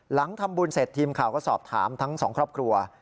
หลังทำบุญเสร็จทีมข่าวก็สอบถามทั้งสองครอบครัว